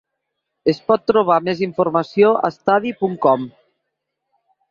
Es pot trobar més informació a Study punt com.